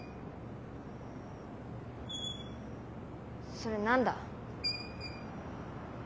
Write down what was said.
それ何だ？